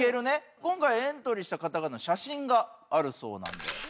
今回エントリーした方々の写真があるそうなんで。